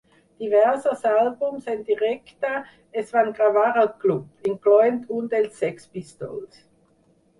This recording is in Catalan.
Diversos àlbums en directe es van gravar al club, incloent un dels Sex Pistols.